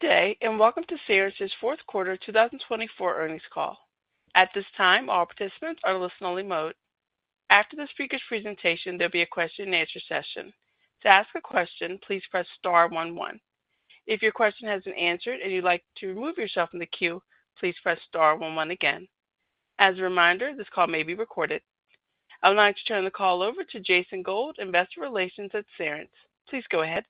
Good day, and welcome to Cerence's Fourth Quarter 2024 Earnings Call. At this time, all participants are in listen-only mode. After the speaker's presentation, there'll be a question-and-answer session. To ask a question, please press star one one. If your question hasn't been answered and you'd like to remove yourself from the queue, please press star one one again. As a reminder, this call may be recorded. I would like to turn the call over to Jason Gold, Investor Relations at Cerence. Please go ahead.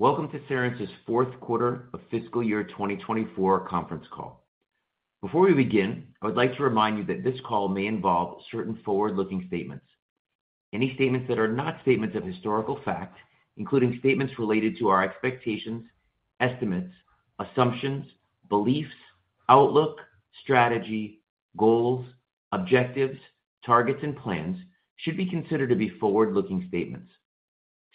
Welcome to Cerence's Fourth Quarter of Fiscal Year 2024 Conference Call. Before we begin, I would like to remind you that this call may involve certain forward-looking statements. Any statements that are not statements of historical fact, including statements related to our expectations, estimates, assumptions, beliefs, outlook, strategy, goals, objectives, targets, and plans, should be considered to be forward-looking statements.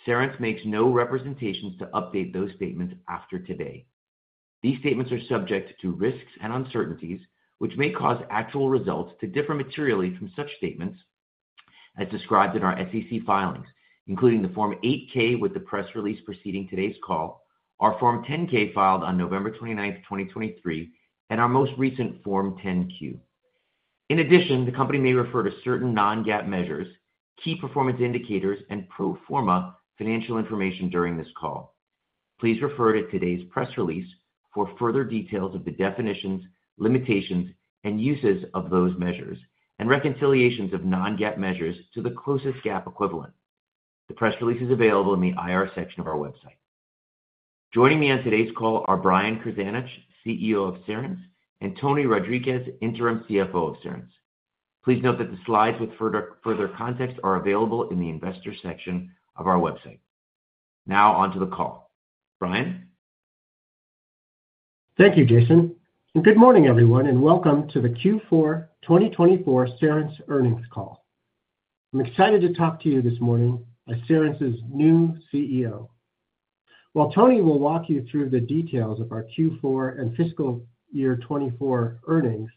Cerence makes no representations to update those statements after today. These statements are subject to risks and uncertainties, which may cause actual results to differ materially from such statements as described in our SEC filings, including the Form 8-K with the press release preceding today's call, our Form 10-K filed on November 29th, 2023, and our most recent Form 10-Q. In addition, the company may refer to certain non-GAAP measures, key performance indicators, and pro forma financial information during this call. Please refer to today's press release for further details of the definitions, limitations, and uses of those measures, and reconciliations of non-GAAP measures to the closest GAAP equivalent. The press release is available in the IR section of our website. Joining me on today's call are Brian Krzanich, CEO of Cerence, and Tony Rodriguez, Interim CFO of Cerence. Please note that the slides with further context are available in the investor section of our website. Now, onto the call. Brian? Thank you, Jason. Good morning, everyone, and welcome to the Q4 2024 Cerence earnings call. I'm excited to talk to you this morning as Cerence's new CEO. While Tony will walk you through the details of our Q4 and fiscal year 2024 earnings,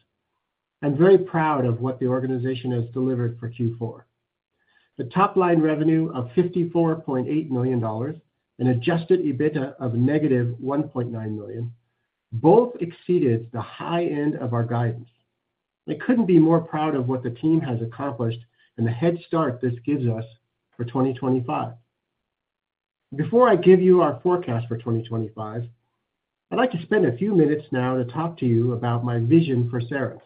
I'm very proud of what the organization has delivered for Q4. The top-line revenue of $54.8 million and adjusted EBITDA of -$1.9 million both exceeded the high end of our guidance. I couldn't be more proud of what the team has accomplished and the head start this gives us for 2025. Before I give you our forecast for 2025, I'd like to spend a few minutes now to talk to you about my vision for Cerence,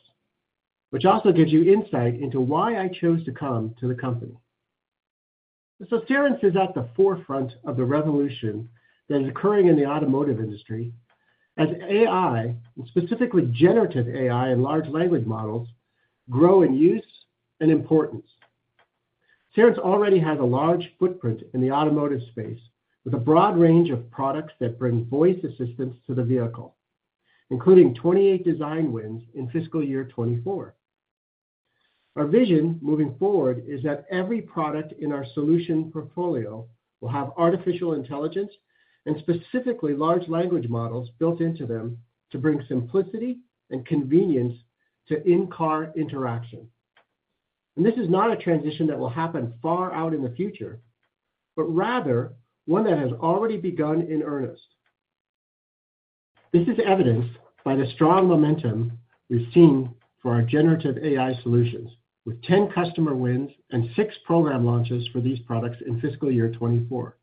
which also gives you insight into why I chose to come to the company. Cerence is at the forefront of the revolution that is occurring in the automotive industry as AI, and specifically generative AI and large language models, grow in use and importance. Cerence already has a large footprint in the automotive space with a broad range of products that bring voice assistance to the vehicle, including 28 design wins in fiscal year 2024. Our vision moving forward is that every product in our solution portfolio will have artificial intelligence and specifically large language models built into them to bring simplicity and convenience to in-car interaction. This is not a transition that will happen far out in the future, but rather one that has already begun in earnest. This is evidenced by the strong momentum we've seen for our generative AI solutions, with 10 customer wins and six program launches for these products in fiscal year 2024,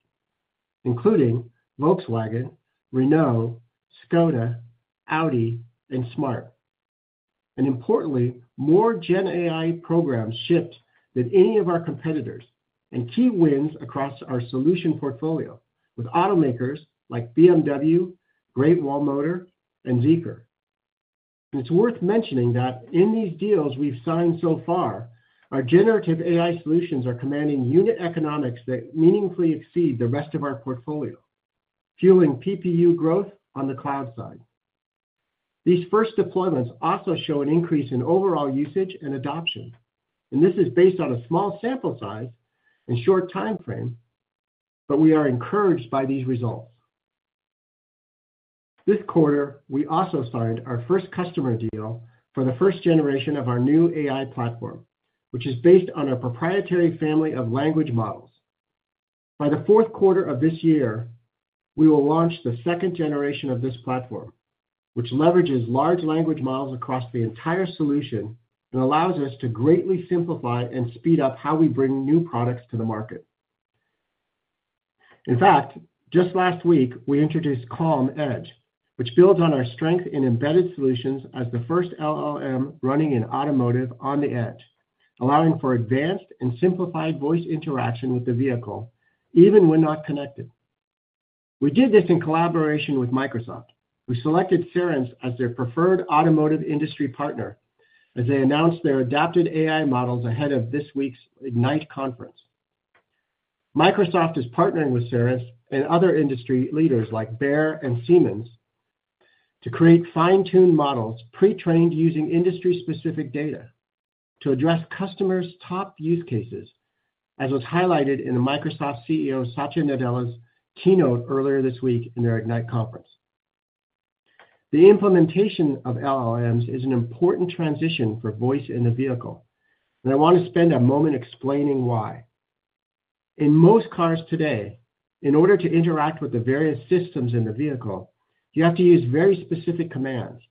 including Volkswagen, Renault, Škoda, Audi, and Smart. And importantly, more Gen AI programs shipped than any of our competitors and key wins across our solution portfolio with automakers like BMW, Great Wall Motor, and Zeekr. And it's worth mentioning that in these deals we've signed so far, our generative AI solutions are commanding unit economics that meaningfully exceed the rest of our portfolio, fueling PPU growth on the cloud side. These first deployments also show an increase in overall usage and adoption. And this is based on a small sample size and short time frame, but we are encouraged by these results. This quarter, we also signed our first customer deal for the first generation of our new AI platform, which is based on a proprietary family of language models. By the fourth quarter of this year, we will launch the second generation of this platform, which leverages large language models across the entire solution and allows us to greatly simplify and speed up how we bring new products to the market. In fact, just last week, we introduced CaLLM Edge, which builds on our strength in embedded solutions as the first LLM running in automotive on the edge, allowing for advanced and simplified voice interaction with the vehicle even when not connected. We did this in collaboration with Microsoft, who selected Cerence as their preferred automotive industry partner as they announced their adapted AI models ahead of this week's Ignite conference. Microsoft is partnering with Cerence and other industry leaders like Bayer and Siemens to create fine-tuned models pre-trained using industry-specific data to address customers' top use cases, as was highlighted in Microsoft CEO Satya Nadella's keynote earlier this week in their Ignite conference. The implementation of LLMs is an important transition for voice in the vehicle, and I want to spend a moment explaining why. In most cars today, in order to interact with the various systems in the vehicle, you have to use very specific commands.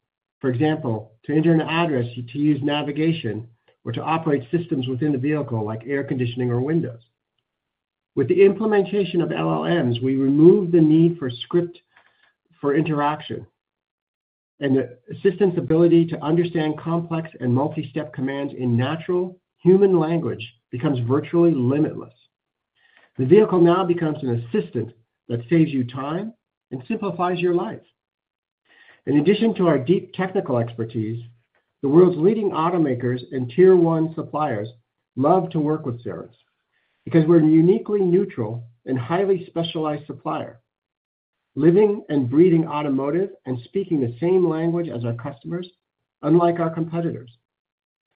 For example, to enter an address, you have to use navigation or to operate systems within the vehicle like air conditioning or windows. With the implementation of LLMs, we remove the need for script for interaction, and the assistant's ability to understand complex and multi-step commands in natural human language becomes virtually limitless. The vehicle now becomes an assistant that saves you time and simplifies your life. In addition to our deep technical expertise, the world's leading automakers and Tier 1 suppliers love to work with Cerence because we're a uniquely neutral and highly specialized supplier, living and breathing automotive and speaking the same language as our customers, unlike our competitors.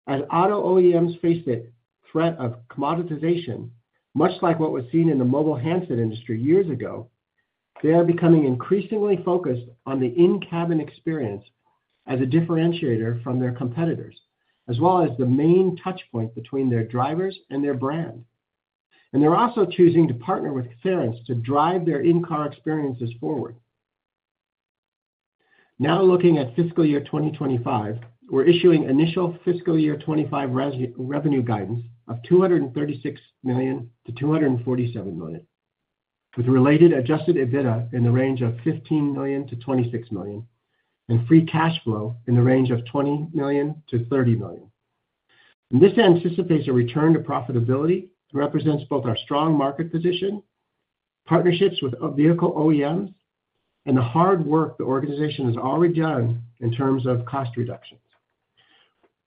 As auto OEMs face the threat of commoditization, much like what was seen in the mobile handset industry years ago, they are becoming increasingly focused on the in-cabin experience as a differentiator from their competitors, as well as the main touchpoint between their drivers and their brand. And they're also choosing to partner with Cerence to drive their in-car experiences forward. Now looking at fiscal year 2025, we're issuing initial fiscal year 2025 revenue guidance of $236-$247 million, with related Adjusted EBITDA in the range of $15-$26 million and Free Cash Flow in the range of $20-$30 million. And this anticipates a return to profitability and represents both our strong market position, partnerships with vehicle OEMs, and the hard work the organization has already done in terms of cost reductions,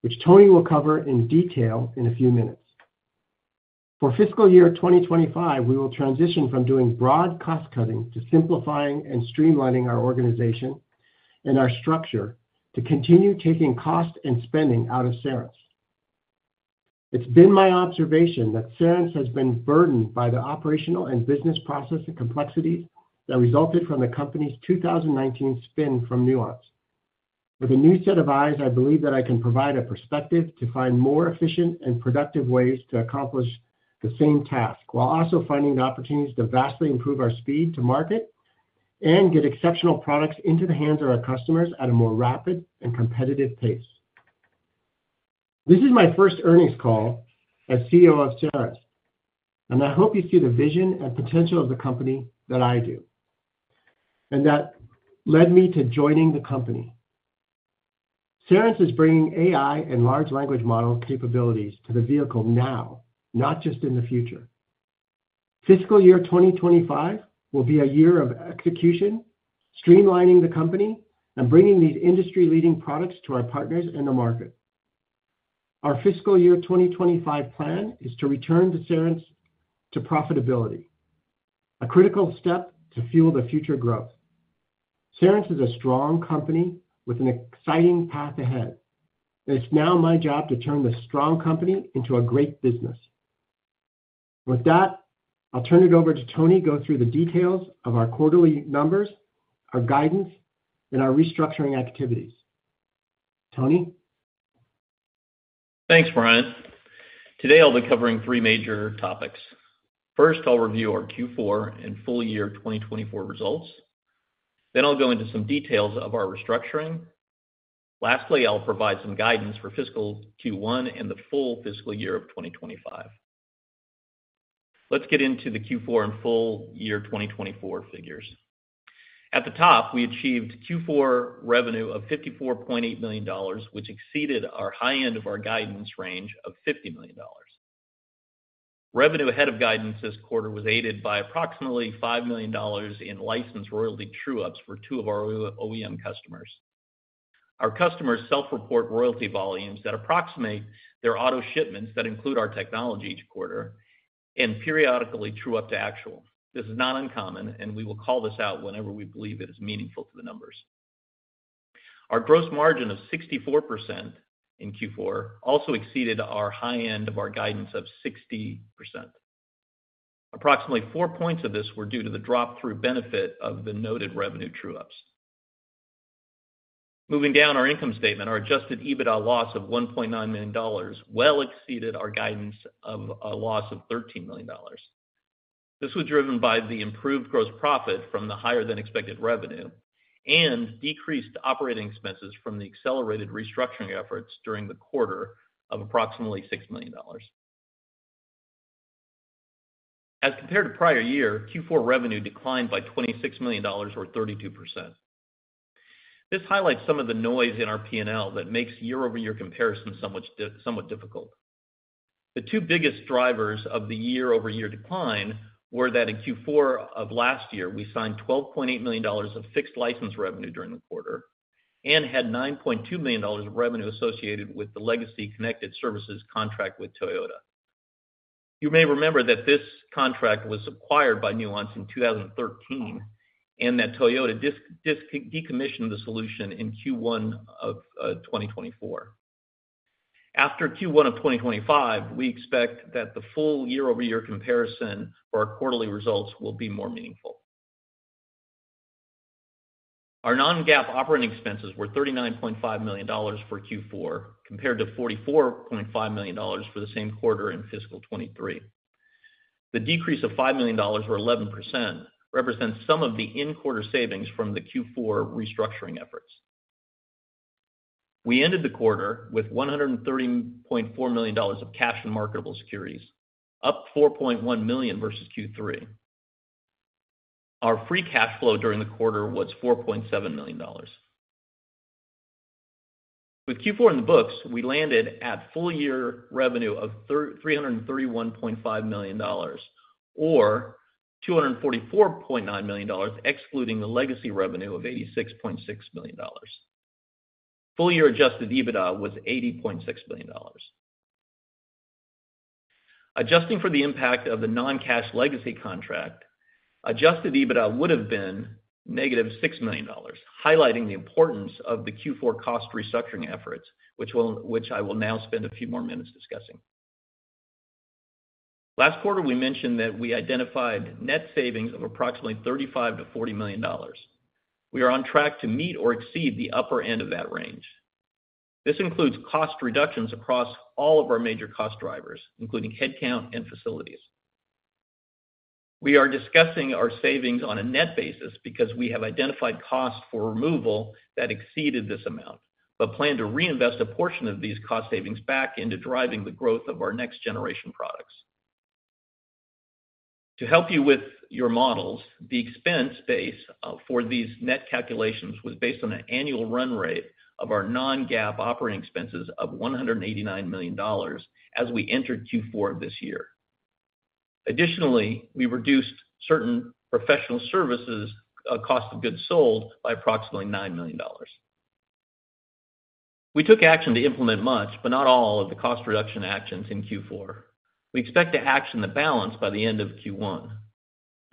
which Tony will cover in detail in a few minutes. For fiscal year 2025, we will transition from doing broad cost cutting to simplifying and streamlining our organization and our structure to continue taking cost and spending out of Cerence. It's been my observation that Cerence has been burdened by the operational and business process complexities that resulted from the company's 2019 spin from Nuance. With a new set of eyes, I believe that I can provide a perspective to find more efficient and productive ways to accomplish the same task, while also finding the opportunities to vastly improve our speed to market and get exceptional products into the hands of our customers at a more rapid and competitive pace. This is my first earnings call as CEO of Cerence, and I hope you see the vision and potential of the company that I do, and that led me to joining the company. Cerence is bringing AI and large language model capabilities to the vehicle now, not just in the future. Fiscal year 2025 will be a year of execution, streamlining the company, and bringing these industry-leading products to our partners and the market. Our fiscal year 2025 plan is to return to Cerence to profitability, a critical step to fuel the future growth. Cerence is a strong company with an exciting path ahead, and it's now my job to turn this strong company into a great business. With that, I'll turn it over to Tony to go through the details of our quarterly numbers, our guidance, and our restructuring activities. Tony? Thanks, Brian. Today, I'll be covering three major topics. First, I'll review our Q4 and full year 2024 results. Then I'll go into some details of our restructuring. Lastly, I'll provide some guidance for fiscal Q1 and the full fiscal year of 2025. Let's get into the Q4 and full year 2024 figures. At the top, we achieved Q4 revenue of $54.8 million, which exceeded our high end of our guidance range of $50 million. Revenue ahead of guidance this quarter was aided by approximately $5 million in license royalty true-ups for two of our OEM customers. Our customers self-report royalty volumes that approximate their auto shipments that include our technology each quarter and periodically true-up to actual. This is not uncommon, and we will call this out whenever we believe it is meaningful to the numbers. Our gross margin of 64% in Q4 also exceeded our high end of our guidance of 60%. Approximately four points of this were due to the drop-through benefit of the noted revenue true-ups. Moving down our income statement, our Adjusted EBITDA loss of $1.9 million well exceeded our guidance of a loss of $13 million. This was driven by the improved gross profit from the higher-than-expected revenue and decreased operating expenses from the accelerated restructuring efforts during the quarter of approximately $6 million. As compared to prior year, Q4 revenue declined by $26 million or 32%. This highlights some of the noise in our P&L that makes year-over-year comparisons somewhat difficult. The two biggest drivers of the year-over-year decline were that in Q4 of last year, we signed $12.8 million of fixed license revenue during the quarter and had $9.2 million of revenue associated with the legacy connected services contract with Toyota. You may remember that this contract was acquired by Nuance in 2013 and that Toyota decommissioned the solution in Q1 of 2024. After Q1 of 2025, we expect that the full year-over-year comparison for our quarterly results will be more meaningful. Our non-GAAP operating expenses were $39.5 million for Q4 compared to $44.5 million for the same quarter in fiscal 2023. The decrease of $5 million or 11% represents some of the in-quarter savings from the Q4 restructuring efforts. We ended the quarter with $130.4 million of cash and marketable securities, up $4.1 million versus Q3. Our Free Cash Flow during the quarter was $4.7 million. With Q4 in the books, we landed at full year revenue of $331.5 million or $244.9 million excluding the legacy revenue of $86.6 million. Full year Adjusted EBITDA was $80.6 million. Adjusting for the impact of the non-cash legacy contract, Adjusted EBITDA would have been negative $6 million, highlighting the importance of the Q4 cost restructuring efforts, which I will now spend a few more minutes discussing. Last quarter, we mentioned that we identified net savings of approximately $35-$40 million. We are on track to meet or exceed the upper end of that range. This includes cost reductions across all of our major cost drivers, including headcount and facilities. We are discussing our savings on a net basis because we have identified costs for removal that exceeded this amount, but plan to reinvest a portion of these cost savings back into driving the growth of our next generation products. To help you with your models, the expense base for these net calculations was based on the annual run rate of our non-GAAP operating expenses of $189 million as we entered Q4 of this year. Additionally, we reduced certain professional services cost of goods sold by approximately $9 million. We took action to implement much, but not all, of the cost reduction actions in Q4. We expect to action the balance by the end of Q1.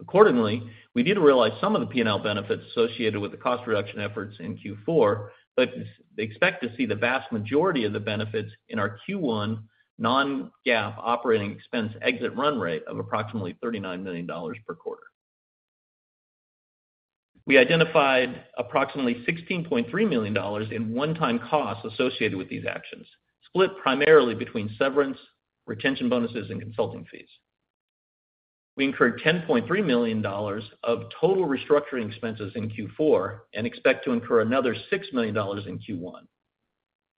Accordingly, we do realize some of the P&L benefits associated with the cost reduction efforts in Q4, but expect to see the vast majority of the benefits in our Q1 non-GAAP operating expense exit run rate of approximately $39 million per quarter. We identified approximately $16.3 million in one-time costs associated with these actions, split primarily between severance, retention bonuses, and consulting fees. We incurred $10.3 million of total restructuring expenses in Q4 and expect to incur another $6 million in Q1.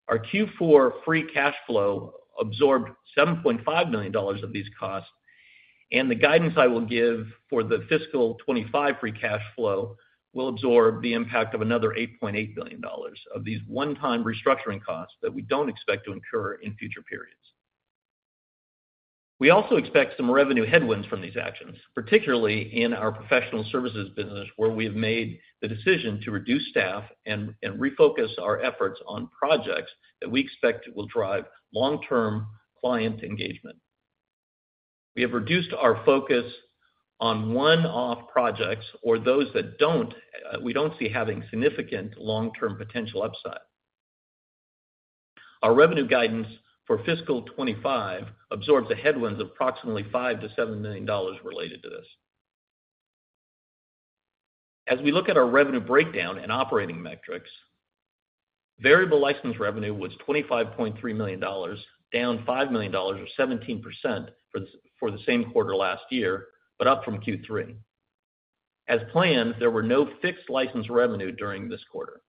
Our Q4 free cash flow absorbed $7.5 million of these costs, and the guidance I will give for the fiscal 2025 free cash flow will absorb the impact of another $8.8 million of these one-time restructuring costs that we don't expect to incur in future periods. We also expect some revenue headwinds from these actions, particularly in our professional services business, where we have made the decision to reduce staff and refocus our efforts on projects that we expect will drive long-term client engagement. We have reduced our focus on one-off projects or those that don't. We don't see having significant long-term potential upside. Our revenue guidance for fiscal 2025 absorbs a headwind of approximately $5-$7 million related to this. As we look at our revenue breakdown and operating metrics, variable license revenue was $25.3 million, down $5 million or 17% for the same quarter last year, but up from Q3. As planned, there were no fixed license revenue during this quarter.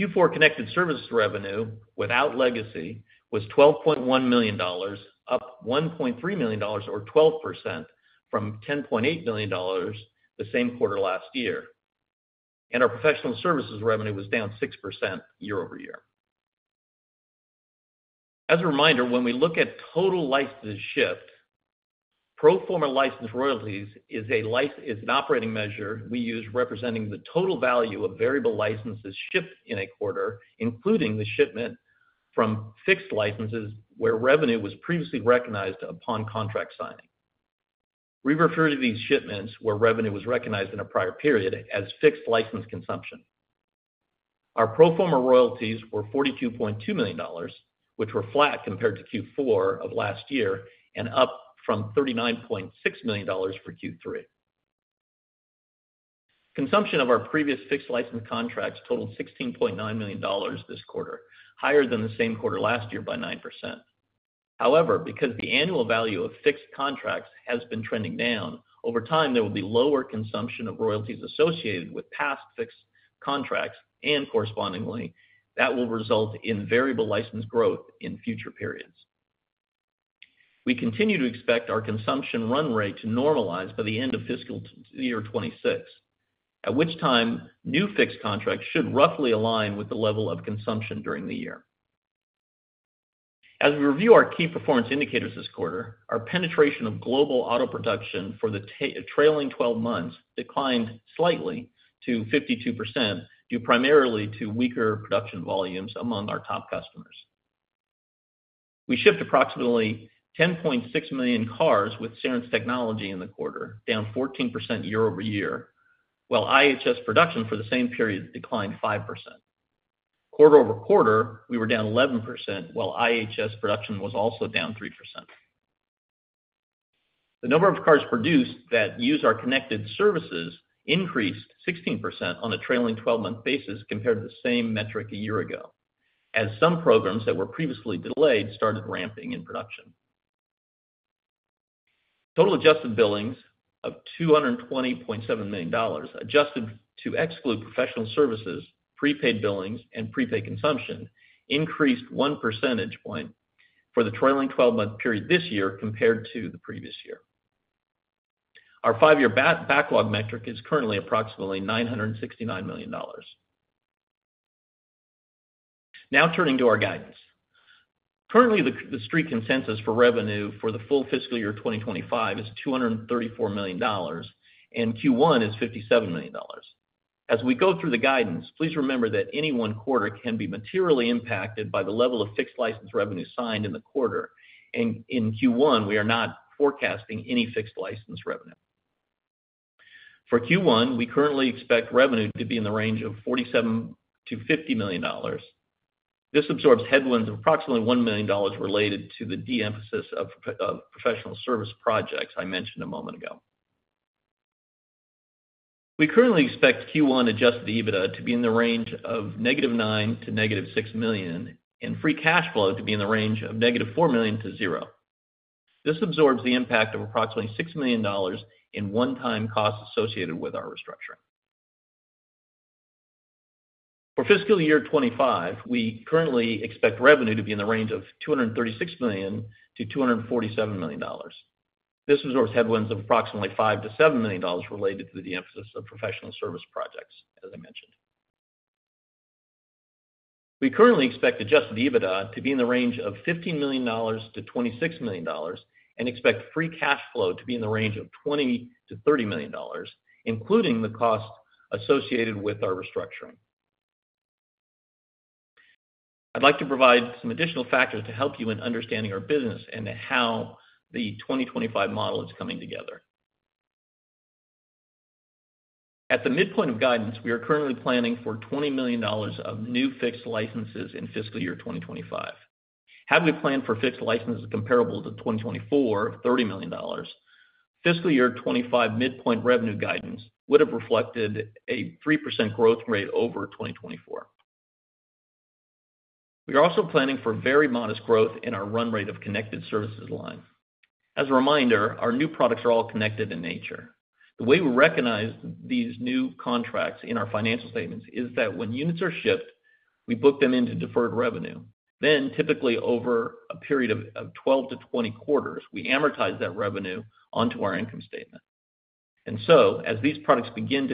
Q4 connected services revenue without legacy was $12.1 million, up $1.3 million or 12% from $10.8 million the same quarter last year, and our professional services revenue was down 6% year-over-year. As a reminder, when we look at total license shipped, pro forma license royalties is an operating measure we use representing the total value of variable licenses shipped in a quarter, including the shipment from fixed licenses where revenue was previously recognized upon contract signing. We refer to these shipments, where revenue was recognized in a prior period, as fixed license consumption. Our pro forma royalties were $42.2 million, which were flat compared to Q4 of last year and up from $39.6 million for Q3. Consumption of our previous fixed license contracts totaled $16.9 million this quarter, higher than the same quarter last year by 9%. However, because the annual value of fixed contracts has been trending down, over time, there will be lower consumption of royalties associated with past fixed contracts and correspondingly that will result in variable license growth in future periods. We continue to expect our consumption run rate to normalize by the end of fiscal year 2026, at which time new fixed contracts should roughly align with the level of consumption during the year. As we review our key performance indicators this quarter, our penetration of global auto production for the trailing 12 months declined slightly to 52% due primarily to weaker production volumes among our top customers. We shipped approximately 10.6 million cars with Cerence technology in the quarter, down 14% year-over-year, while IHS production for the same period declined 5%. Quarter over quarter, we were down 11%, while IHS production was also down 3%. The number of cars produced that use our connected services increased 16% on a trailing 12-month basis compared to the same metric a year ago, as some programs that were previously delayed started ramping in production. Total adjusted billings of $220.7 million, adjusted to exclude professional services, prepaid billings, and prepaid consumption, increased one percentage point for the trailing 12-month period this year compared to the previous year. Our five-year backlog metric is currently approximately $969 million. Now turning to our guidance. Currently, the Street consensus for revenue for the full fiscal year 2025 is $234 million, and Q1 is $57 million. As we go through the guidance, please remember that any one quarter can be materially impacted by the level of fixed license revenue signed in the quarter, and in Q1, we are not forecasting any fixed license revenue. For Q1, we currently expect revenue to be in the range of $47-$50 million. This absorbs headwinds of approximately $1 million related to the de-emphasis of professional service projects I mentioned a moment ago. We currently expect Q1 Adjusted EBITDA to be in the range of -$9 to -$6 million and Free Cash Flow to be in the range of -$4 million to zero. This absorbs the impact of approximately $6 million in one-time costs associated with our restructuring. For fiscal year 2025, we currently expect revenue to be in the range of $236-$247 million. This absorbs headwinds of approximately $5-$7 million related to the de-emphasis of professional service projects, as I mentioned. We currently expect Adjusted EBITDA to be in the range of $15-$26 million and expect Free Cash Flow to be in the range of $20-$30 million, including the cost associated with our restructuring. I'd like to provide some additional factors to help you in understanding our business and how the 2025 model is coming together. At the midpoint of guidance, we are currently planning for $20 million of new fixed licenses in fiscal year 2025. Had we planned for fixed licenses comparable to 2024 of $30 million, fiscal year 2025 midpoint revenue guidance would have reflected a 3% growth rate over 2024. We are also planning for very modest growth in our run rate of connected services line. As a reminder, our new products are all connected in nature. The way we recognize these new contracts in our financial statements is that when units are shipped, we book them into deferred revenue. Then, typically over a period of 12 to 20 quarters, we amortize that revenue onto our income statement. And so, as these products begin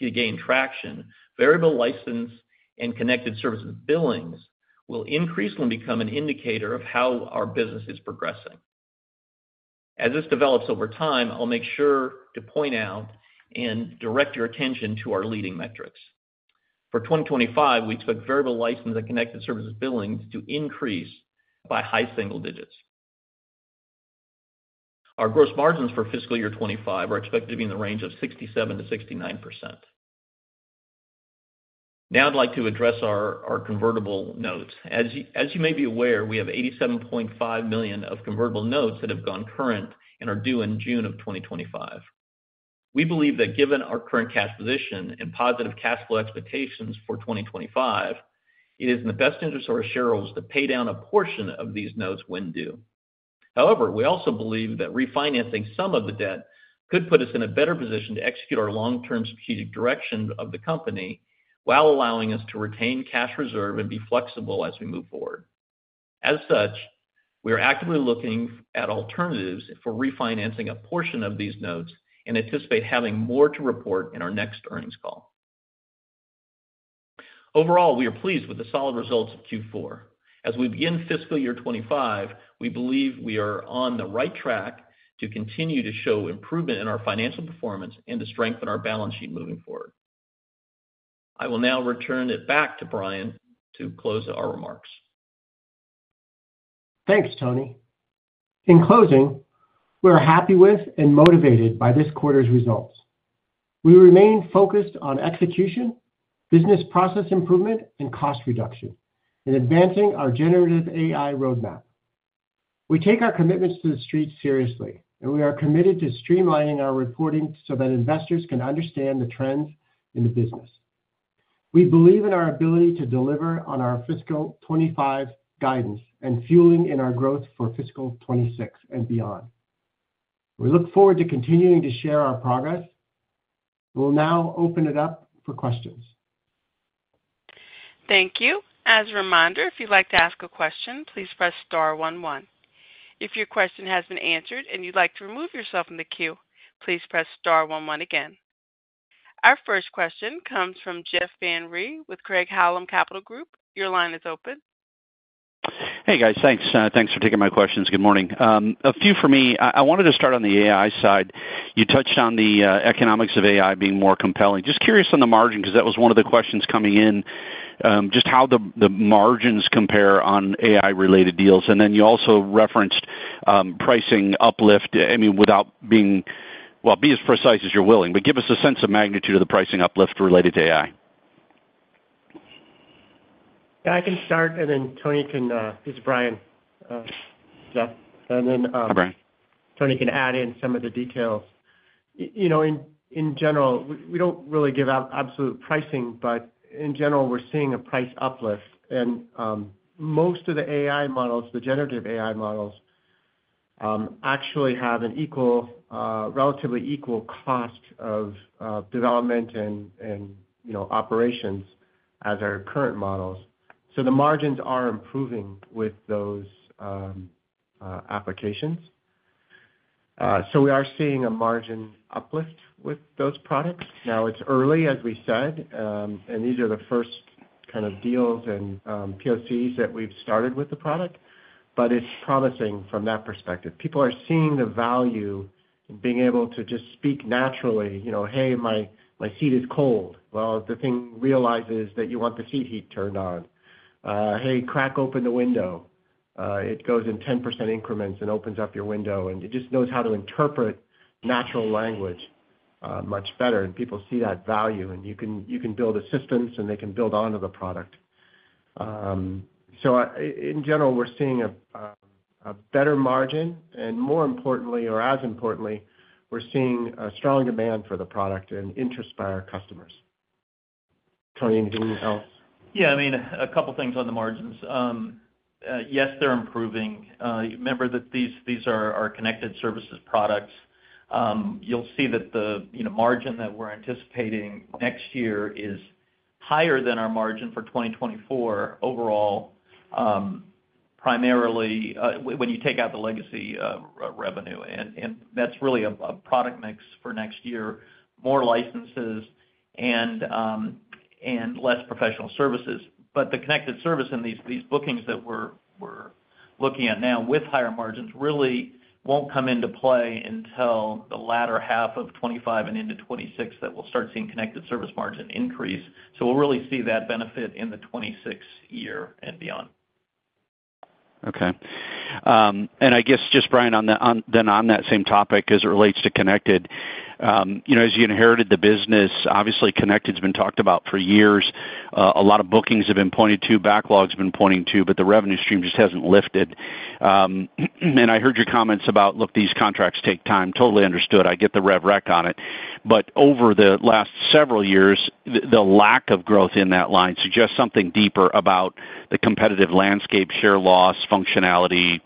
to gain traction, variable license and connected services billings will increasingly become an indicator of how our business is progressing. As this develops over time, I'll make sure to point out and direct your attention to our leading metrics. For 2025, we expect variable license and connected services billings to increase by high single digits. Our gross margins for fiscal year 2025 are expected to be in the range of 67%-69%. Now I'd like to address our Convertible Notes. As you may be aware, we have $87.5 million of convertible notes that have gone current and are due in June of 2025. We believe that given our current cash position and positive cash flow expectations for 2025, it is in the best interest of our shareholders to pay down a portion of these notes when due. However, we also believe that refinancing some of the debt could put us in a better position to execute our long-term strategic direction of the company while allowing us to retain cash reserve and be flexible as we move forward. As such, we are actively looking at alternatives for refinancing a portion of these notes and anticipate having more to report in our next earnings call. Overall, we are pleased with the solid results of Q4. As we begin fiscal year 2025, we believe we are on the right track to continue to show improvement in our financial performance and to strengthen our balance sheet moving forward. I will now return it back to Brian to close our remarks. Thanks, Tony. In closing, we are happy with and motivated by this quarter's results. We remain focused on execution, business process improvement, and cost reduction in advancing our generative AI roadmap. We take our commitments to the street seriously, and we are committed to streamlining our reporting so that investors can understand the trends in the business. We believe in our ability to deliver on our fiscal 2025 guidance and fueling our growth for fiscal 2026 and beyond. We look forward to continuing to share our progress. We'll now open it up for questions. Thank you. As a reminder, if you'd like to ask a question, please press star 11. If your question has been answered and you'd like to remove yourself from the queue, please press star one one again. Our first question comes from Jeff Van Rhee with Craig-Hallum Capital Group. Your line is open. Hey, guys. Thanks. Thanks for taking my questions. Good morning. A few for me. I wanted to start on the AI side. You touched on the economics of AI being more compelling. Just curious on the margin because that was one of the questions coming in, just how the margins compare on AI-related deals. And then you also referenced pricing uplift, I mean, without being, well, be as precise as you're willing, but give us a sense of magnitude of the pricing uplift related to AI. Yeah, I can start, and then Tony can. This is Brian, Jeff. And then. Hi, Brian. Tony can add in some of the details. In general, we don't really give out absolute pricing, but in general, we're seeing a price uplift, and most of the AI models, the generative AI models, actually have an equal, relatively equal cost of development and operations as our current models, so the margins are improving with those applications, so we are seeing a margin uplift with those products. Now, it's early, as we said, and these are the first kind of deals and POCs that we've started with the product, but it's promising from that perspective. People are seeing the value in being able to just speak naturally, "Hey, my seat is cold." Well, the thing realizes that you want the seat heat turned on. Hey, crack open the window." It goes in 10% increments and opens up your window, and it just knows how to interpret natural language much better, and people see that value, and you can build a system, and they can build onto the product, so in general, we're seeing a better margin, and more importantly, or as importantly, we're seeing a strong demand for the product and interest by our customers. Tony, anything else? Yeah, I mean, a couple of things on the margins. Yes, they're improving. Remember that these are connected services products. You'll see that the margin that we're anticipating next year is higher than our margin for 2024 overall, primarily when you take out the legacy revenue. And that's really a product mix for next year: more licenses and less professional services. But the connected service and these bookings that we're looking at now with higher margins really won't come into play until the latter half of 2025 and into 2026, that we'll start seeing connected service margin increase. So we'll really see that benefit in the 2026 year and beyond. Okay. And I guess just, Brian, then on that same topic as it relates to connected, as you inherited the business, obviously, connected has been talked about for years. A lot of bookings have been pointed to, backlogs have been pointing to, but the revenue stream just hasn't lifted. And I heard your comments about, "Look, these contracts take time." Totally understood. I get the red flag on it. But over the last several years, the lack of growth in that line suggests something deeper about the competitive landscape, share loss, functionality,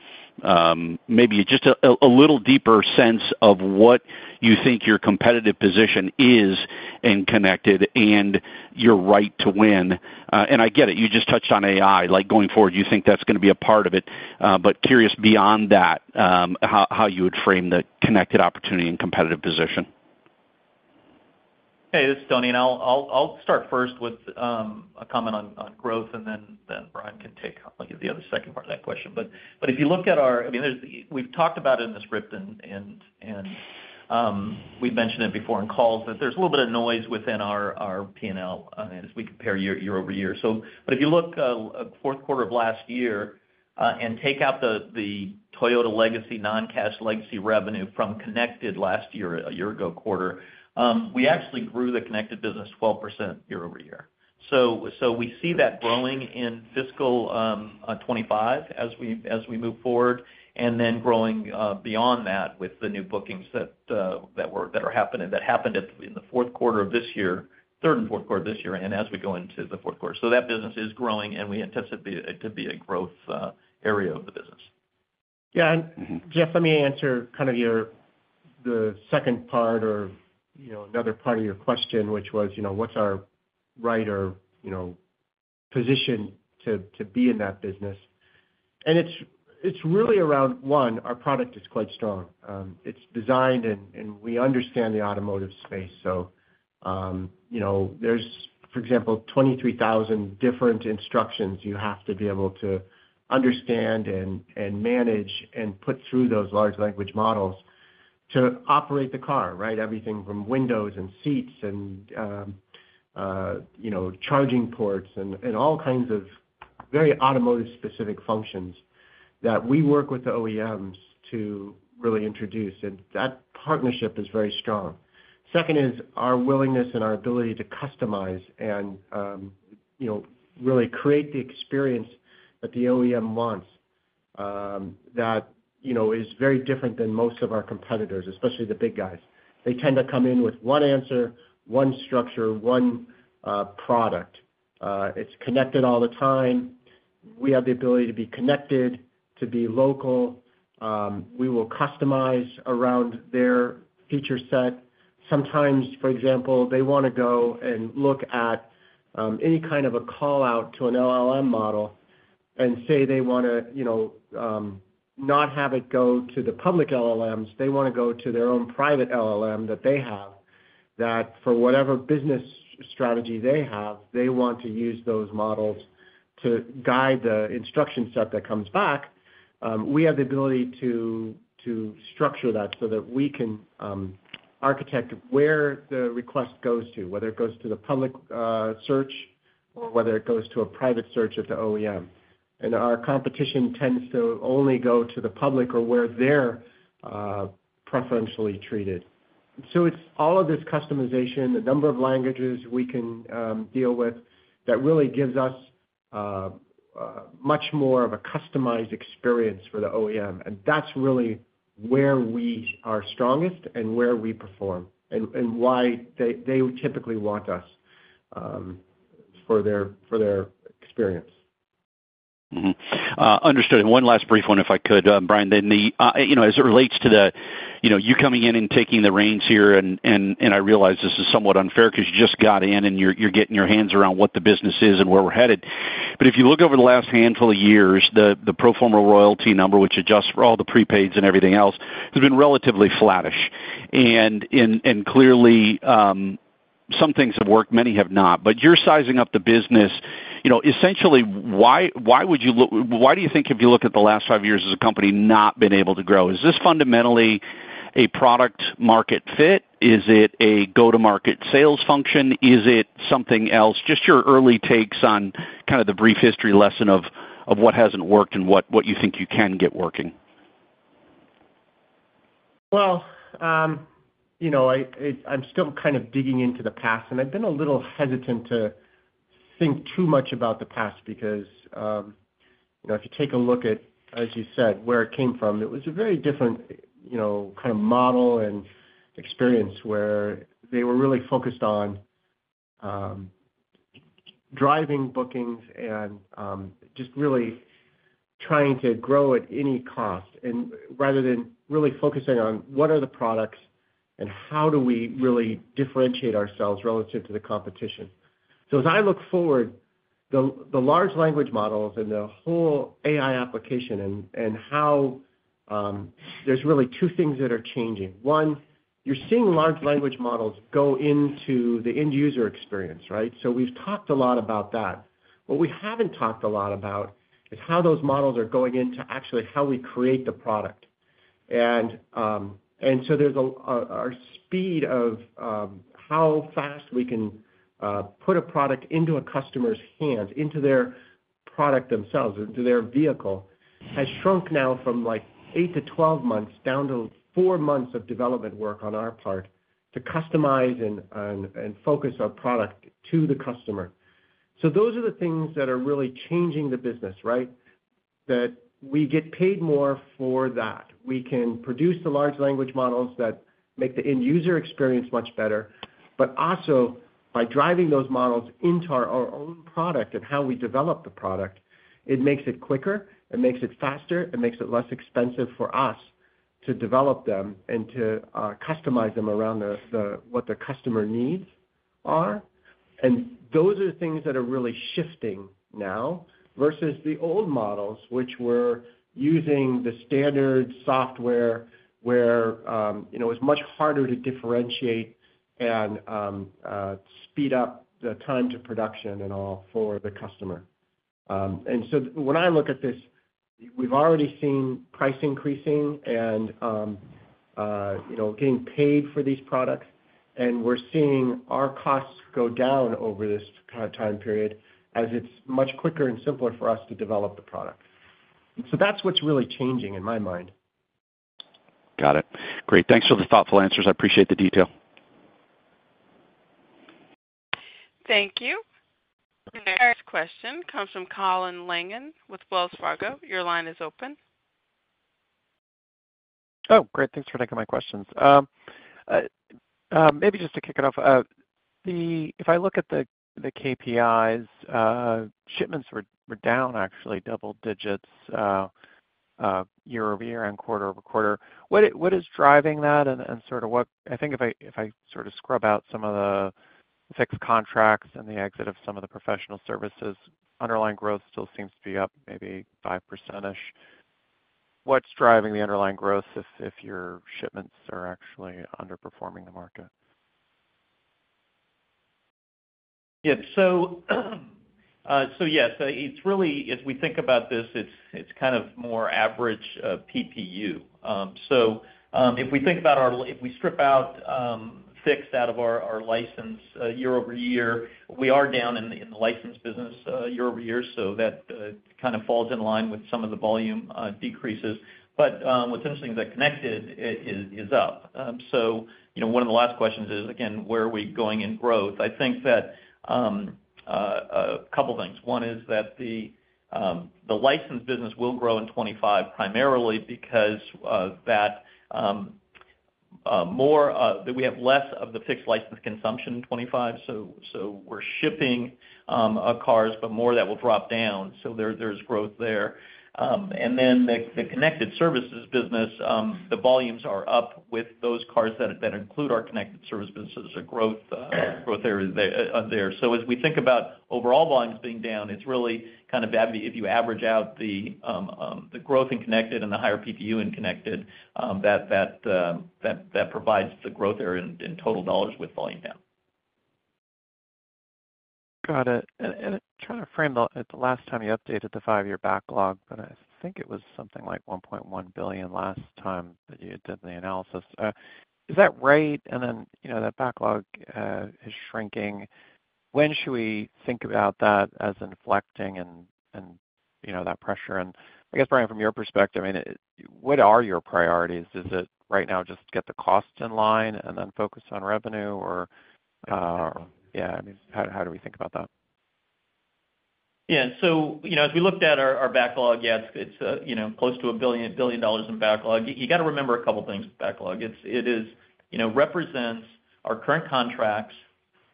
maybe just a little deeper sense of what you think your competitive position is in connected and your right to win. And I get it. You just touched on AI. Going forward, you think that's going to be a part of it. But curious beyond that, how would you frame the connected opportunity and competitive position? Hey, this is Tony. And I'll start first with a comment on growth, and then Brian can take the other second part of that question. But if you look at our—I mean, we've talked about it in the script, and we've mentioned it before in calls—that there's a little bit of noise within our P&L as we compare year-over-year. But if you look at the fourth quarter of last year and take out the Toyota legacy non-cash legacy revenue from connected last year, a year ago quarter, we actually grew the connected business 12% year-over-year. So we see that growing in fiscal 2025 as we move forward, and then growing beyond that with the new bookings that are happening that happened in the fourth quarter of this year, third and fourth quarter of this year, and as we go into the fourth quarter. So that business is growing, and we anticipate it to be a growth area of the business. Yeah. And Jeff, let me answer kind of the second part or another part of your question, which was, "What's our right or position to be in that business?" And it's really around, one, our product is quite strong. It's designed, and we understand the automotive space. So there's, for example, 23,000 different instructions you have to be able to understand and manage and put through those large language models to operate the car, right? Everything from windows and seats and charging ports and all kinds of very automotive-specific functions that we work with the OEMs to really introduce. And that partnership is very strong. Second is our willingness and our ability to customize and really create the experience that the OEM wants that is very different than most of our competitors, especially the big guys. They tend to come in with one answer, one structure, one product. It's connected all the time. We have the ability to be connected, to be local. We will customize around their feature set. Sometimes, for example, they want to go and look at any kind of a callout to an LLM model and say they want to not have it go to the public LLMs. They want to go to their own private LLM that they have that, for whatever business strategy they have, they want to use those models to guide the instruction set that comes back. We have the ability to structure that so that we can architect where the request goes to, whether it goes to the public search or whether it goes to a private search at the OEM. And our competition tends to only go to the public or where they're preferentially treated. So it's all of this customization, the number of languages we can deal with that really gives us much more of a customized experience for the OEM. And that's really where we are strongest and where we perform and why they typically want us for their experience. Understood. And one last brief one, if I could, Brian, then as it relates to you coming in and taking the reins here, and I realize this is somewhat unfair because you just got in and you're getting your hands around what the business is and where we're headed. But if you look over the last handful of years, the pro forma royalty number, which adjusts for all the prepaids and everything else, has been relatively flattish. And clearly, some things have worked, many have not. But you're sizing up the business. Essentially, why would you look, why do you think, if you look at the last five years as a company not been able to grow? Is this fundamentally a product-market fit? Is it a go-to-market sales function? Is it something else? Just your early takes on kind of the brief history lesson of what hasn't worked and what you think you can get working. Well, I'm still kind of digging into the past, and I've been a little hesitant to think too much about the past because if you take a look at, as you said, where it came from, it was a very different kind of model and experience where they were really focused on driving bookings and just really trying to grow at any cost rather than really focusing on what are the products and how do we really differentiate ourselves relative to the competition. So as I look forward, the large language models and the whole AI application and how there's really two things that are changing. One, you're seeing large language models go into the end user experience, right? So we've talked a lot about that. What we haven't talked a lot about is how those models are going into actually how we create the product. And so our speed of how fast we can put a product into a customer's hands, into their product themselves, into their vehicle has shrunk now from like eight to 12 months down to four months of development work on our part to customize and focus our product to the customer. So those are the things that are really changing the business, right? That we get paid more for that. We can produce the large language models that make the end user experience much better, but also by driving those models into our own product and how we develop the product, it makes it quicker. It makes it faster. It makes it less expensive for us to develop them and to customize them around what the customer needs are. And those are things that are really shifting now versus the old models, which were using the standard software where it was much harder to differentiate and speed up the time to production and all for the customer. And so when I look at this, we've already seen price increasing and getting paid for these products, and we're seeing our costs go down over this time period as it's much quicker and simpler for us to develop the product. So that's what's really changing in my mind. Got it. Great. Thanks for the thoughtful answers. I appreciate the detail. Thank you. And our next question comes from Colin Langan with Wells Fargo. Your line is open. Oh, great. Thanks for taking my questions. Maybe just to kick it off, if I look at the KPIs, shipments were down, actually, double digits year-over-year and quarter over quarter. What is driving that? And sort of what I think if I sort of scrub out some of the fixed contracts and the exit of some of the professional services, underlying growth still seems to be up maybe 5%. What's driving the underlying growth if your shipments are actually underperforming the market? Yeah. So yes, it's really, as we think about this, it's kind of more average PPU. So if we think about our—if we strip out fixed out of our license year-over-year, we are down in the license business year-over-year. So that kind of falls in line with some of the volume decreases. But what's interesting is that connected is up. So one of the last questions is, again, where are we going in growth? I think that a couple of things. One is that the license business will grow in 2025 primarily because of that more that we have less of the fixed license consumption in 2025. So we're shipping cars, but more of that will drop down. So there's growth there. And then the connected services business, the volumes are up with those cars that include our connected service business. So there's a growth area there. So as we think about overall volumes being down, it's really kind of if you average out the growth in connected and the higher PPU in connected, that provides the growth area in total dollars with volume down. Got it, and trying to frame the last time you updated the five-year backlog, but I think it was something like $1.1 billion last time that you did the analysis. Is that right, and then that backlog is shrinking. When should we think about that as inflecting and that pressure? And I guess, Brian, from your perspective, I mean, what are your priorities? Is it right now just to get the cost in line and then focus on revenue? Or yeah, I mean, how do we think about that? Yeah. So as we looked at our backlog, yeah, it's close to $1 billion in backlog. You got to remember a couple of things with backlog. It represents our current contracts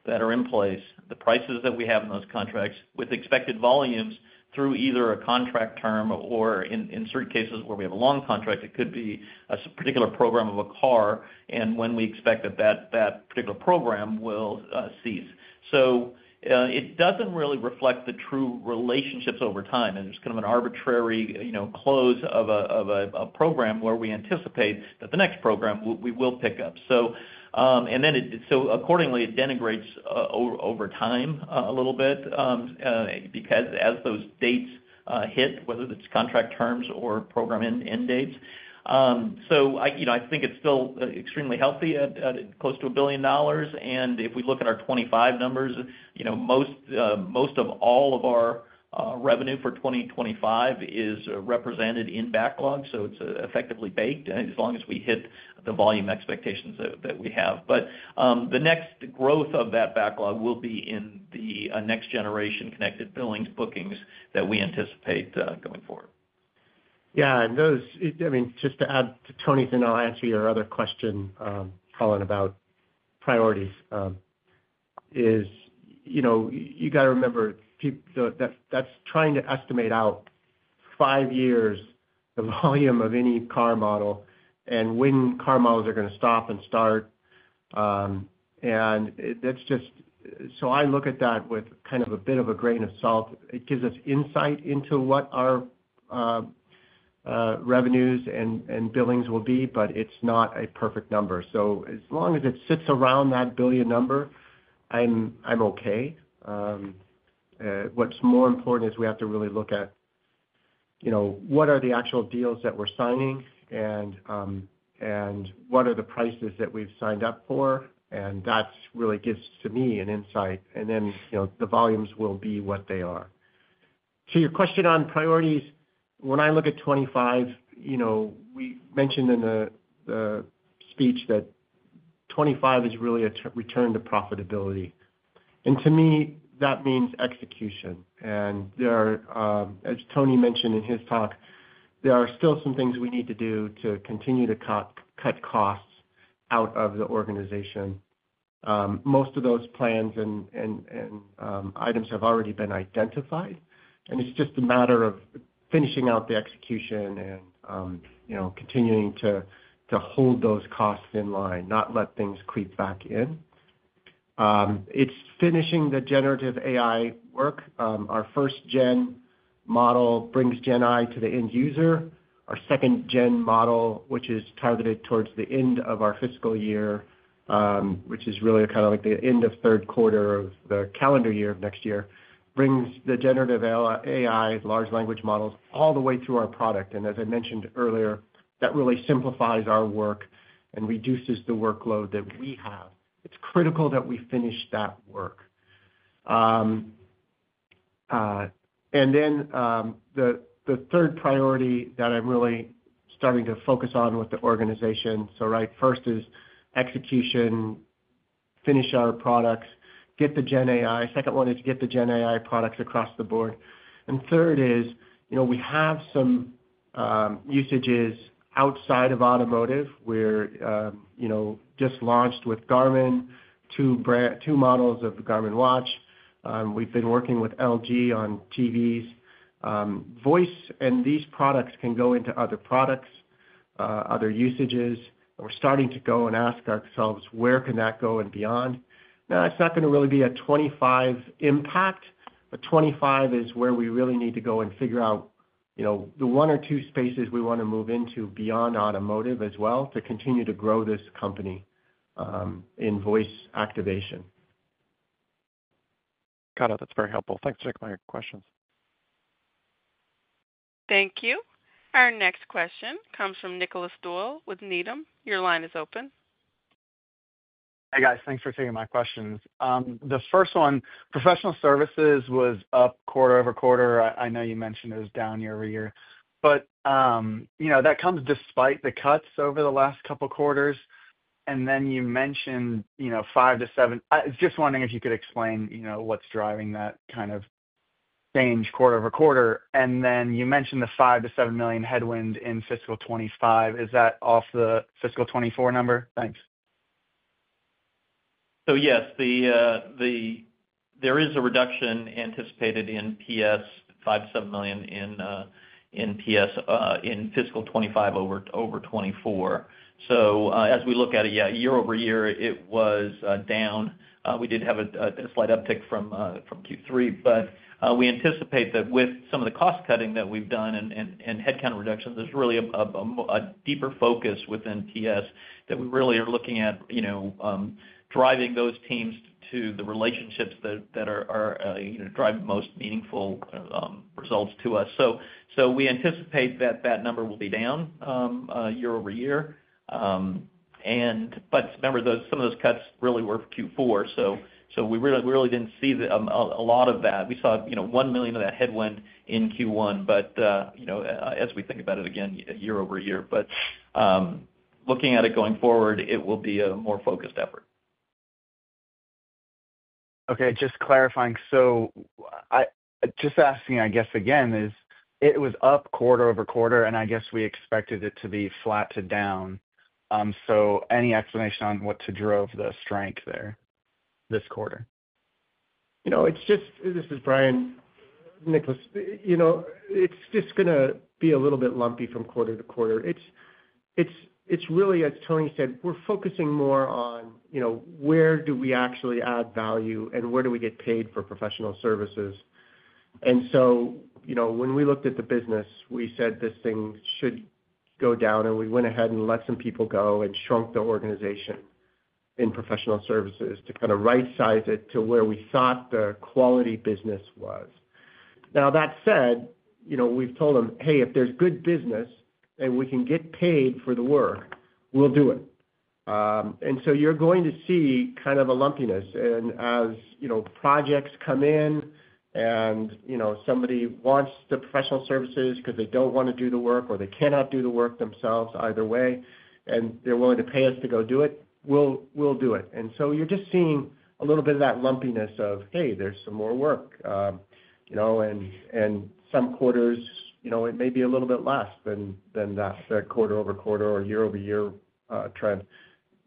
that are in place, the prices that we have in those contracts with expected volumes through either a contract term or, in certain cases where we have a long contract, it could be a particular program of a car, and when we expect that that particular program will cease. So it doesn't really reflect the true relationships over time. And it's kind of an arbitrary close of a program where we anticipate that the next program we will pick up. And then accordingly, it deteriorates over time a little bit because as those dates hit, whether it's contract terms or program end dates. So I think it's still extremely healthy at close to $1 billion. And if we look at our 2025 numbers, most of all of our revenue for 2025 is represented in backlog. So it's effectively baked as long as we hit the volume expectations that we have. But the next growth of that backlog will be in the next-generation connected billings bookings that we anticipate going forward. Yeah. And I mean, just to add to Tony's and I'll answer your other question, Colin, about priorities is you got to remember that's trying to estimate out five years the volume of any car model and when car models are going to stop and start. And that's just so I look at that with kind of a bit of a grain of salt. It gives us insight into what our revenues and billings will be, but it's not a perfect number. So as long as it sits around that billion number, I'm okay. What's more important is we have to really look at what are the actual deals that we're signing and what are the prices that we've signed up for. And that really gives to me an insight. And then the volumes will be what they are. To your question on priorities, when I look at 2025, we mentioned in the speech that 2025 is really a return to profitability, and to me, that means execution, and as Tony mentioned in his talk, there are still some things we need to do to continue to cut costs out of the organization. Most of those plans and items have already been identified, and it's just a matter of finishing out the execution and continuing to hold those costs in line, not let things creep back in. It's finishing the generative AI work. Our 1st-gen model brings Gen AI to the end user. Our 2nd-gen model, which is targeted towards the end of our fiscal year, which is really kind of like the end of third quarter of the calendar year of next year, brings the generative AI, large language models, all the way through our product. As I mentioned earlier, that really simplifies our work and reduces the workload that we have. It's critical that we finish that work. Then the third priority that I'm really starting to focus on with the organization, so right first is execution, finish our products, get the Gen AI. Second one is get the Gen AI products across the board. Third is we have some usages outside of automotive. We're just launched with Garmin, two models of the Garmin watch. We've been working with LG on TVs. Voice and these products can go into other products, other usages. We're starting to go and ask ourselves, where can that go and beyond? Now, it's not going to really be a 2025 impact. But 2025 is where we really need to go and figure out the one or two spaces we want to move into beyond automotive as well to continue to grow this company in voice activation. Got it. That's very helpful. Thanks for taking my questions. Thank you. Our next question comes from Nicholas Doyle with Needham. Your line is open. Hey, guys. Thanks for taking my questions. The first one, professional services was up quarter over quarter. I know you mentioned it was down year-over-year. But that comes despite the cuts over the last couple of quarters. And then you mentioned 5-7. I was just wondering if you could explain what's driving that kind of change quarter over quarter. And then you mentioned the 5-7 million headwind in fiscal 2025. Is that off the fiscal 2024 number? Thanks. Yes, there is a reduction anticipated in PS, $5-$7 million in PS in fiscal 2025 over 2024. As we look at it, yeah, year-over-year, it was down. We did have a slight uptick from Q3. We anticipate that with some of the cost cutting that we've done and headcount reductions, there's really a deeper focus within PS that we really are looking at driving those teams to the relationships that drive most meaningful results to us. We anticipate that that number will be down year-over-year. Remember, some of those cuts really were for Q4. We really didn't see a lot of that. We saw $1 million of that headwind in Q1, but as we think about it again year-over-year. Looking at it going forward, it will be a more focused effort. Okay. Just clarifying. So just asking, I guess, again, is it was up quarter over quarter, and I guess we expected it to be flat to down. So any explanation on what drove the strength there this quarter? It's just this is Brian, Nicholas. It's just going to be a little bit lumpy from quarter to quarter. It's really, as Tony said, we're focusing more on where do we actually add value and where do we get paid for professional services. And so when we looked at the business, we said this thing should go down, and we went ahead and let some people go and shrunk the organization in professional services to kind of right-size it to where we thought the quality business was. Now, that said, we've told them, "Hey, if there's good business and we can get paid for the work, we'll do it." And so you're going to see kind of a lumpiness. And as projects come in and somebody wants the professional services because they don't want to do the work or they cannot do the work themselves either way, and they're willing to pay us to go do it, we'll do it. And so you're just seeing a little bit of that lumpiness of, "Hey, there's some more work." And some quarters, it may be a little bit less than that quarter over quarter or year-over-year trend.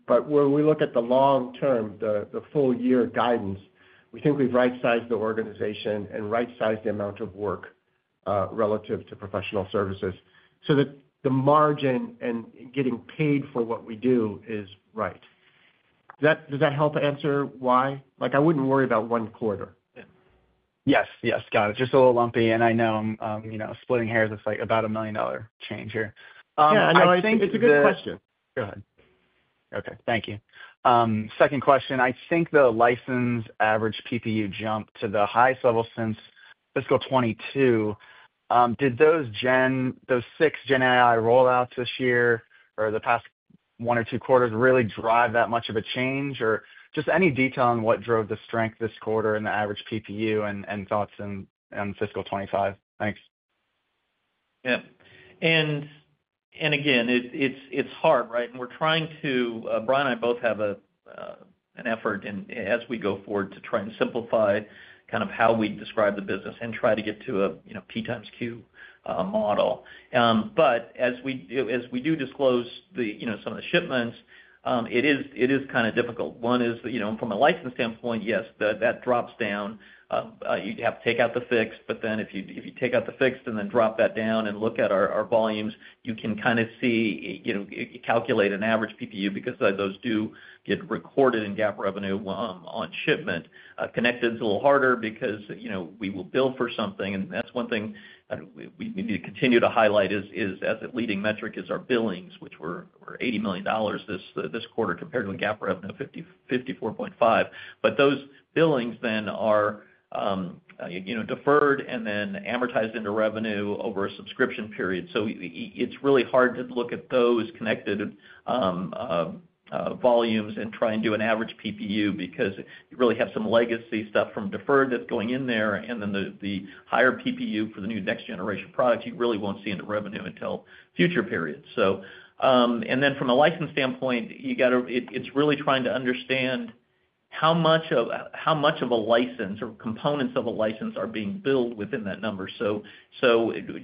But when we look at the long term, the full year guidance, we think we've right-sized the organization and right-sized the amount of work relative to professional services so that the margin and getting paid for what we do is right. Does that help answer why? I wouldn't worry about one quarter. Yes. Yes. Got it. Just a little lumpy. And I know I'm splitting hairs. It's like about a $1 million change here. Yeah. I think it's a good question. Go ahead. Okay. Thank you. Second question. I think the license average PPU jump to the highest level since fiscal 2022. Did those six Gen AI rollouts this year or the past one or two quarters really drive that much of a change? Or just any detail on what drove the strength this quarter and the average PPU and thoughts in fiscal 2025? Thanks. Yeah. And again, it's hard, right? And we're trying to, Brian and I both have an effort as we go forward to try and simplify kind of how we describe the business and try to get to a P x Q model. But as we do disclose some of the shipments, it is kind of difficult. One is from a license standpoint, yes, that drops down. You'd have to take out the fixed. But then if you take out the fixed and then drop that down and look at our volumes, you can kind of see you calculate an average PPU because those do get recorded in GAAP revenue on shipment. Connected is a little harder because we will bill for something. And that's one thing we need to continue to highlight as a leading metric is our billings, which were $80 million this quarter compared to a GAAP revenue of $54.5 million. But those billings then are deferred and then amortized into revenue over a subscription period. So it's really hard to look at those connected volumes and try and do an average PPU because you really have some legacy stuff from deferred that's going in there. And then the higher PPU for the new next generation product, you really won't see into revenue until future periods. And then from a license standpoint, it's really trying to understand how much of a license or components of a license are being billed within that number. So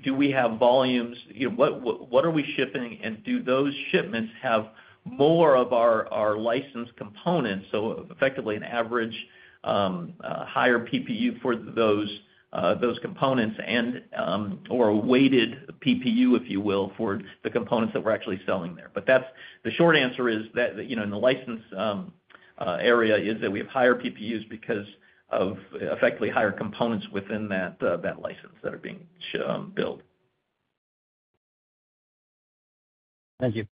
do we have volumes? What are we shipping? And do those shipments have more of our license components? So effectively an average higher PPU for those components or a weighted PPU, if you will, for the components that we're actually selling there. But the short answer is that in the license area is that we have higher PPUs because of effectively higher components within that license that are being billed. Thank you.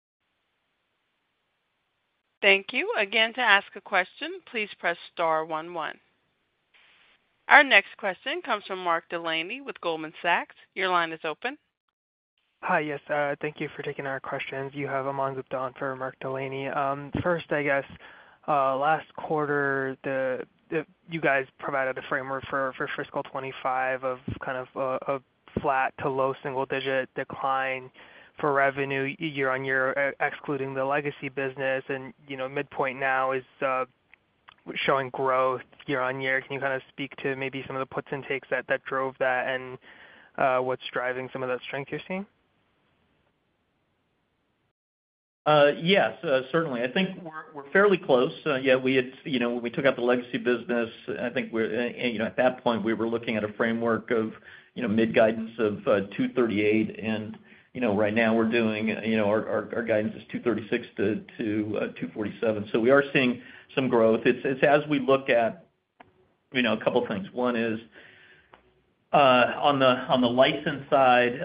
Thank you. Again, to ask a question, please press star one one. Our next question comes from Mark Delaney with Goldman Sachs. Your line is open. Hi. Yes. Thank you for taking our questions. You have a question from Mark Delaney. First, I guess, last quarter, you guys provided a framework for fiscal 2025 of kind of a flat to low single-digit decline for revenue year on year, excluding the legacy business, and midpoint now is showing growth year on year. Can you kind of speak to maybe some of the puts and takes that drove that and what's driving some of that strength you're seeing? Yes, certainly. I think we're fairly close. Yeah, when we took out the legacy business, I think at that point, we were looking at a framework of mid guidance of 238. And right now, we're doing our guidance is 236-247. So we are seeing some growth. It's as we look at a couple of things. One is on the license side,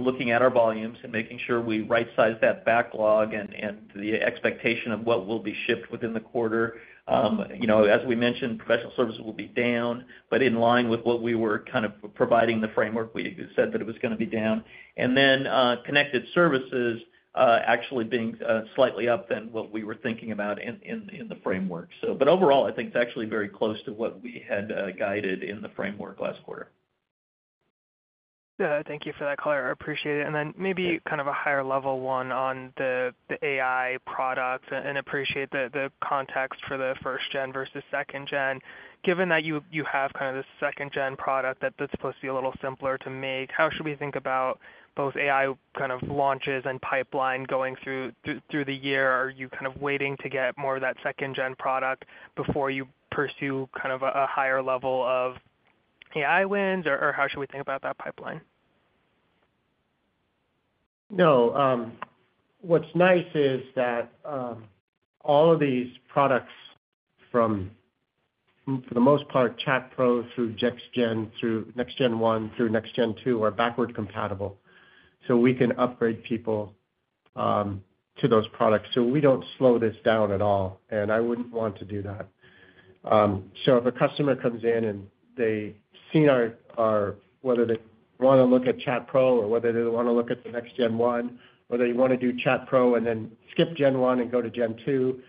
looking at our volumes and making sure we right-size that backlog and the expectation of what will be shipped within the quarter. As we mentioned, professional services will be down, but in line with what we were kind of providing the framework, we said that it was going to be down. And then connected services actually being slightly up than what we were thinking about in the framework. But overall, I think it's actually very close to what we had guided in the framework last quarter. Yeah. Thank you for that. I appreciate it. And then maybe kind of a higher level one on the AI product and appreciate the context for the 1st-gen versus second-gen. Given that you have kind of the 2nd-gen product that's supposed to be a little simpler to make, how should we think about both AI kind of launches and pipeline going through the year? Are you kind of waiting to get more of that second-gen product before you pursue kind of a higher level of AI wins? Or how should we think about that pipeline? No. What's nice is that all of these products from, for the most part, Chat Pro through Next-Gen through Next-Gen 1 through Next-Gen 2 are backward compatible. So we can upgrade people to those products. So we don't slow this down at all. And I wouldn't want to do that. So if a customer comes in and they've seen whether they want to look at Chat Pro or whether they want to look at the Next-Gen 1, whether you want to do Chat Pro and then skip Gen 1 and go to Gen 2,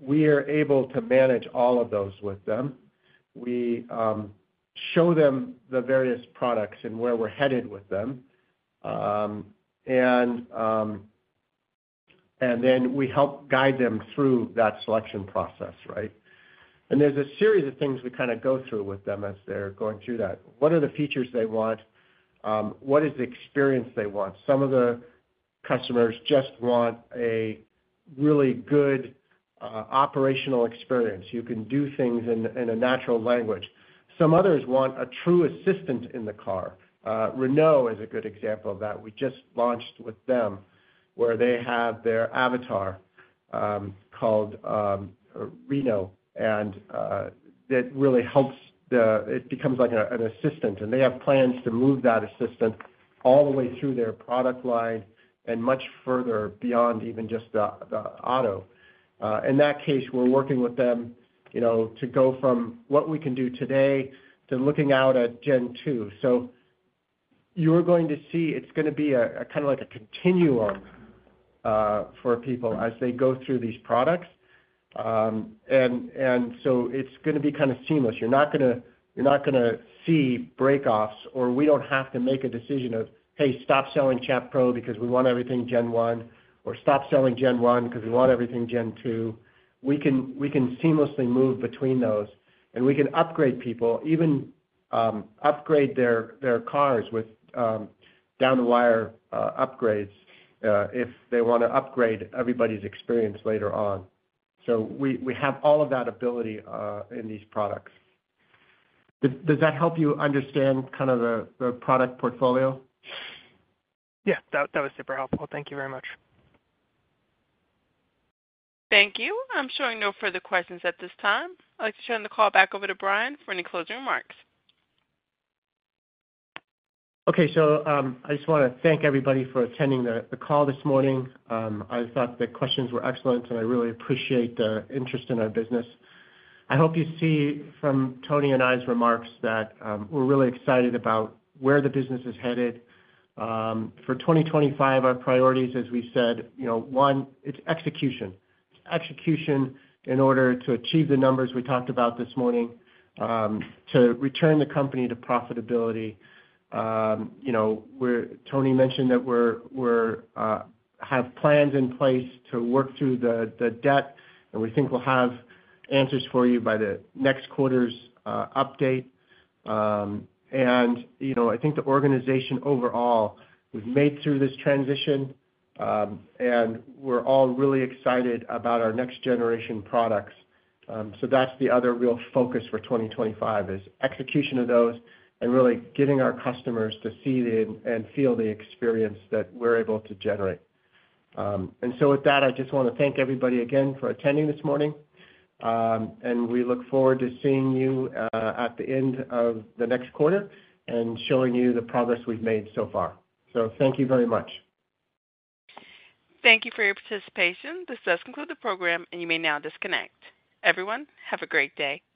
we are able to manage all of those with them. We show them the various products and where we're headed with them. And then we help guide them through that selection process, right? And there's a series of things we kind of go through with them as they're going through that. What are the features they want? What is the experience they want? Some of the customers just want a really good operational experience. You can do things in a natural language. Some others want a true assistant in the car. Renault is a good example of that. We just launched with them where they have their avatar called Reno. And that really helps. It becomes like an assistant. And they have plans to move that assistant all the way through their product line and much further beyond even just the auto. In that case, we're working with them to go from what we can do today to looking out at Gen 2. So you're going to see it's going to be kind of like a continuum for people as they go through these products. And so it's going to be kind of seamless. You're not going to see breakoffs or we don't have to make a decision of, "Hey, stop selling Chat Pro because we want everything Gen 1," or, "Stop selling Gen 1 because we want everything Gen 2." We can seamlessly move between those. And we can upgrade people, even upgrade their cars with over-the-air upgrades if they want to upgrade everybody's experience later on. So we have all of that ability in these products. Does that help you understand kind of the product portfolio? Yeah. That was super helpful. Thank you very much. Thank you. I'm showing no further questions at this time. I'd like to turn the call back over to Brian for any closing remarks. Okay. So I just want to thank everybody for attending the call this morning. I thought the questions were excellent, and I really appreciate the interest in our business. I hope you see from Tony and I's remarks that we're really excited about where the business is headed. For 2025, our priorities, as we said, one, it's execution. It's execution in order to achieve the numbers we talked about this morning to return the company to profitability. Tony mentioned that we have plans in place to work through the debt, and we think we'll have answers for you by the next quarter's update. And I think the organization overall, we've made through this transition, and we're all really excited about our next-generation products. So that's the other real focus for 2025 is execution of those and really getting our customers to see and feel the experience that we're able to generate. And so with that, I just want to thank everybody again for attending this morning. And we look forward to seeing you at the end of the next quarter and showing you the progress we've made so far. So thank you very much. Thank you for your participation. This does conclude the program, and you may now disconnect. Everyone, have a great day.